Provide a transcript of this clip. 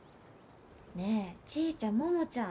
ねえちぃちゃん百ちゃん